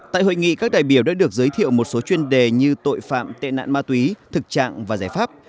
tại hội nghị các đại biểu đã được giới thiệu một số chuyên đề như tội phạm tệ nạn ma túy thực trạng và giải pháp